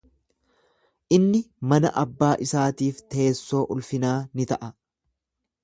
Inni mana abbaa isaatiif teessoo ulfinaa ni ta'a.